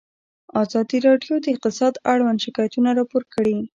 ازادي راډیو د اقتصاد اړوند شکایتونه راپور کړي.